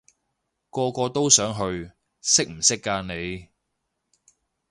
個個都想去，識唔識㗎你？